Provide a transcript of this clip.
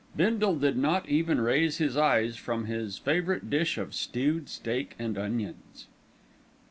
Bindle did not even raise his eyes from his favourite dish of stewed steak and onions.